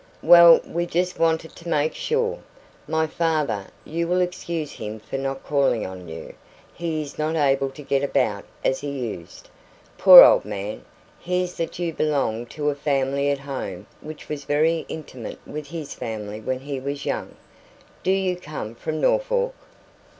"Well, we just wanted to make sure. My father you will excuse him for not calling on you; he is not able to get about as he used, poor old man hears that you belong to a family at home which was very intimate with his family when he was young. Do you come from Norfolk?"